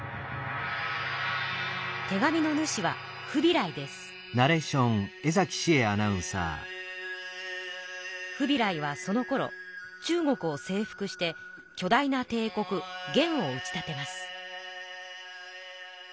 手紙の主はフビライはそのころ中国をせい服してきょ大なてい国元を打ち立てます。